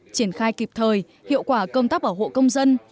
triển khai kịp thời hiệu quả công tác bảo hộ công dân